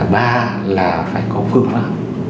ba là phải có phương pháp